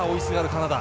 カナダ。